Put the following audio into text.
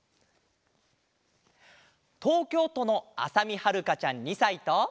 とうきょうとのあさみはるかちゃん２さいと。